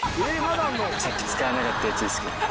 さっき使わなかったやつですけど。